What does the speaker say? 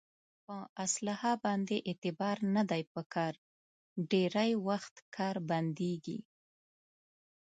په اصلحه باندې اعتبار نه دی په کار ډېری وخت کار بندېږي.